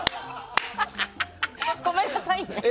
ごめんなさいね。